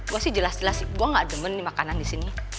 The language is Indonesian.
gua sih jelas jelas gua gak demen nih makanan disini